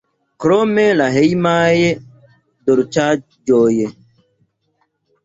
Krome la hejmaj dolĉaĵoj.